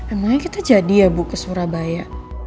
emangnya kita jadi ya bu ke surabaya